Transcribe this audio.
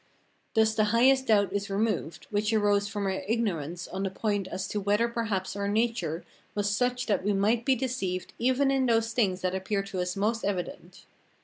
Thus the highest doubt is removed, which arose from our ignorance on the point as to whether perhaps our nature was such that we might be deceived even in those things that appear to us the most evident.